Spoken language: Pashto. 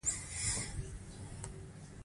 جګړه د انسانیت ضد ده